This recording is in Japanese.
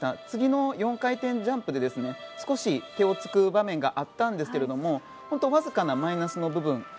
次の４回転ジャンプで少し手をつく場面があったんですけれども本当にわずかなマイナスの部分。